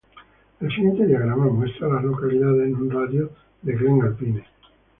El siguiente diagrama muestra a las localidades en un radio de de Glen Alpine.